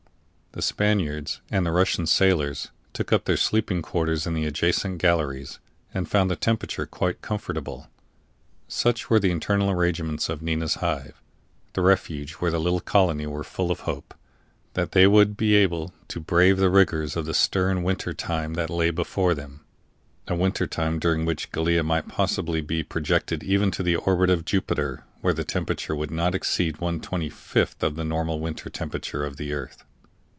The Spaniards and the Russian sailors took up their sleeping quarters in the adjacent galleries, and found the temperature quite comfortable. Such were the internal arrangements of Nina's Hive, the refuge where the little colony were full of hope that they would be able to brave the rigors of the stern winter time that lay before them a winter time during which Gallia might possibly be projected even to the orbit of Jupiter, where the temperature would not exceed one twenty fifth of the normal winter temperature of the earth.